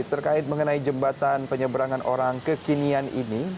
terkait mengenai jembatan penyeberangan orang kekinian ini